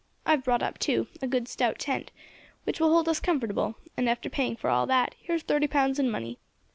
I have brought up, too, a good stout tent, which will hold us comfortable, and, after paying for all that, here's thirty pounds in money.